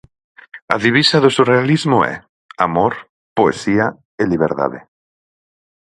A divisa do surrealismo é: "Amor, Poesía e Liberdade".